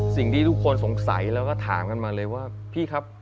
สิ่งที่ทุกคนสงสัยแล้วก็ถามกันมาเลยว่าพี่ครับ